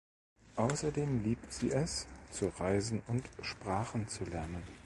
Außerdem liebt sie es, zu reisen und Sprachen zu lernen.